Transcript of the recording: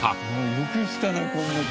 よくしたなこんな事。